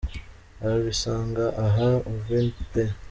Wabisanga aha : Uvin, P.